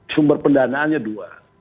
sumber pendanaannya dua